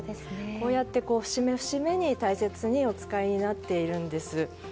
こうやって節目、節目に大切にお使いになっているんです。